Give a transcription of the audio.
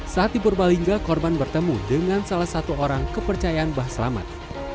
saat tiba tiba lingga korban bertemu dengan salah satu orang kepercayaan bahaselamat